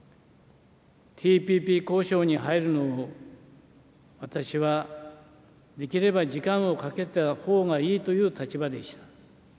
ＴＰＰ交渉に入るのを、私はできれば時間をかけたほうがいいという立場でした。